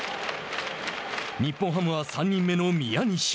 日本ハムは３人目の宮西。